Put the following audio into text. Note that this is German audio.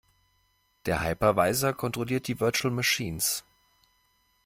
Der Hypervisor kontrolliert die Virtual Machines.